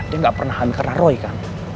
dia gak pernah hand karena roy kan